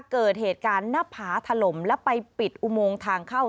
เกิดเหตุการณ์หน้าผาถล่มและไปปิดอุโมงทางเข้า